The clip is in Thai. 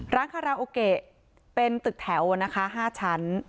ร้านคาราโอเกะเป็นตึกแถวนะคะ๕ชั้น